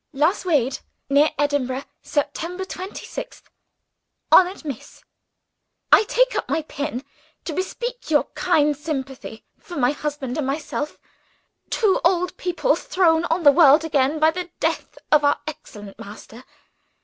"Lasswade, near Edinburgh, Sept. 26th. "HONORED MISS I take up my pen to bespeak your kind sympathy for my husband and myself; two old people thrown on the world again by the death of our excellent master.